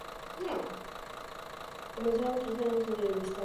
Comenzaron tres años de devastadoras hostilidades.